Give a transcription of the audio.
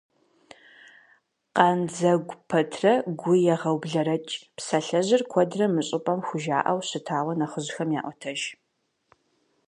«Къандзэгу пэтрэ гу егъэублэрэкӀ» псалъэжьыр куэдрэ мы щӀыпӀэм хужаӀэу щытауэ нэхъыжьхэм яӀуэтэж.